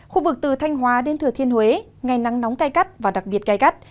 khu vực từ thanh hóa đến thừa thiên huế ngày nắng nóng cay cắt và đặc biệt cay cắt